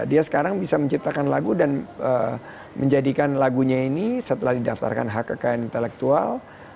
dia sekarang bisa menciptakan lagu dan menjadikan lagunya ini setelah didaftarkan hak kekayaan intelektual